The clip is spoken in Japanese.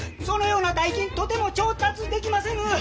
そのような大金とても調達できませぬ！